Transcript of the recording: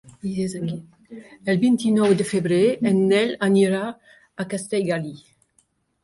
El vint-i-nou de febrer en Nel anirà a Castellgalí.